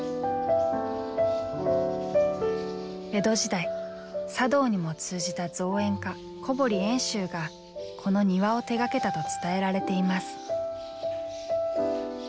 江戸時代茶道にも通じた造園家小堀遠州がこの庭を手がけたと伝えられています。